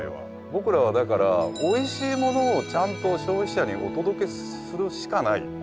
僕らはだからおいしいものをちゃんと消費者にお届けするしかない。